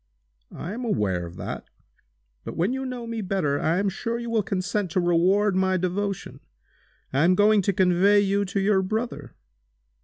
"I am aware of that. But, when you know me better, I am sure you will consent to reward my devotion. I am going to convey you to your brother!"